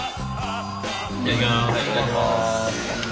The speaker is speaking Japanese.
いただきます。